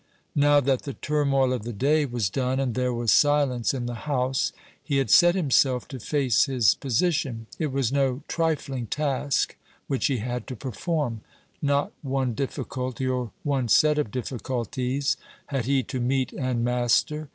Now that the turmoil of the day was done, and there was silence in the house, he had set himself to face his position. It was no trifling task which he had to perform. Not one difficulty, or one set of difficulties, had he to meet and master.